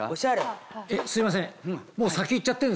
すいません